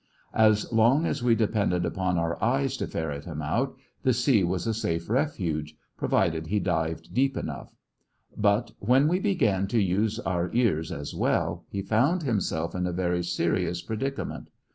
As long as we depended upon our eyes to ferret him out, the sea was a safe refuge, provided he dived deep enough, but when we began to use our ears as well, he found himself in a very serious predicament.